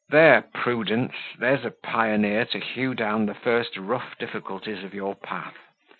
"There, Prudence, there's a pioneer to hew down the first rough difficulties of your path.